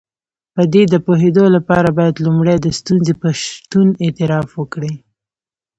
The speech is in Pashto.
په دې د پوهېدو لپاره بايد لومړی د ستونزې په شتون اعتراف وکړئ.